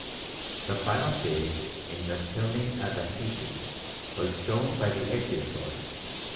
The final stage in reptilian adaptation was shown by the ichthyo saurs (Fig.